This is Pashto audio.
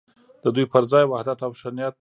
د دوی پر ځای وحدت او ښه نیت نه پیدا کوي.